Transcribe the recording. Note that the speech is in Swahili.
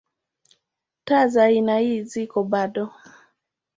Taa za aina ii ziko bado.